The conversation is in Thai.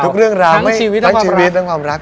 ทุกเรื่องราวทั้งชีวิตทั้งความรัก